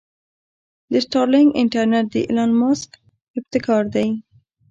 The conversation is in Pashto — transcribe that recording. د سټارلنک انټرنټ د ايلان مسک ابتکار دې.